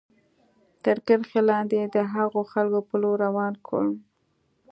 تر کرښې لاندې د هغو خلکو په لور روان کړم.